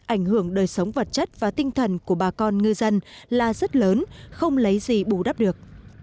ảnh hưởng đời sống vật chất và tinh thần của bà con ngư dân là rất lớn không lấy gì bù đắp được